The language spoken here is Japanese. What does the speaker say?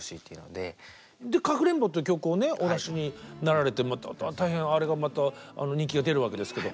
で「かくれんぼ」という曲をねお出しになられて大変あれがまた人気が出るわけですけど。